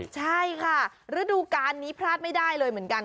ใช่ค่ะฤดูการนี้พลาดไม่ได้เลยเหมือนกัน